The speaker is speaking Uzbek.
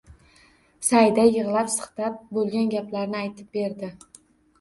Saida yig`lab-siqtab bo`lgan gaplarni aytib berdi